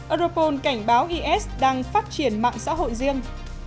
europol cảnh báo is đang phát triển mạng xã hội riêng